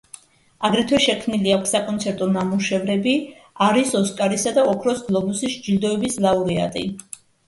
აგრეთვე შექმნილი აქვს საკონცერტო ნამუშევრები არის ოსკარისა და ოქროს გლობუსის ჯილდოების ლაურეატი.